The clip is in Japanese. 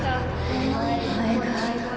お前が。